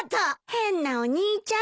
変なお兄ちゃん。